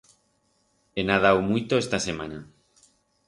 He nadau muito esta semana.